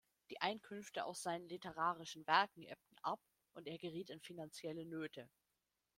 Die Einkünfte aus seinen literarischen Werken ebbten ab und er geriet in finanzielle Nöte.